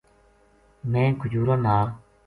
میں کھجوراں نال